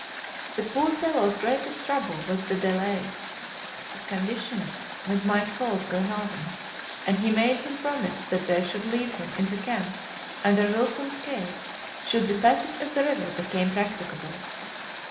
The poor fellow's greatest trouble was the delay his condition might cause Glenarvan, and he made him promise that they should leave him in the camp under Wilson's care, should the passage of the river become practicable.